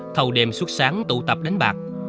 thầu đêm suốt sáng tụ tập đánh bạc